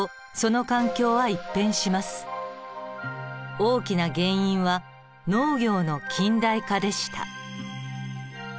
大きな原因は農業の近代化でした。